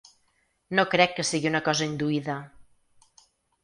No crec que sigui una cosa induïda.